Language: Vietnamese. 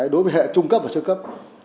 đối với hệ trung cấp và sơ cấp